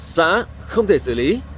xã không thể xử lý